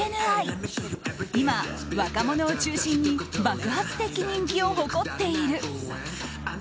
今、若者を中心に爆発的人気を誇っている。